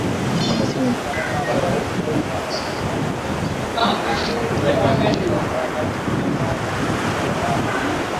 maafisa wengineo katika Kaunti za Turkana Marsabit Isiolo Garissa na Wajir walioshiriki